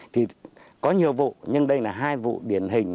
thì có nhiều vụ nhưng đây là hai vụ điển hình